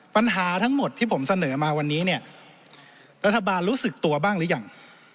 ปัญหาทั้งหมดที่ผมเสนอมาวันนี้เนี่ยรัฐบาลรู้สึกตัวบ้างหรือยัง